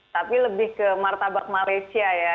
tapi lebih ke martabak malaysia ya